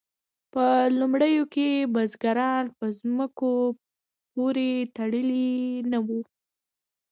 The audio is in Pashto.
په لومړیو کې بزګران په ځمکو پورې تړلي نه وو.